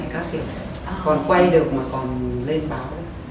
còn quay được mà còn lên báo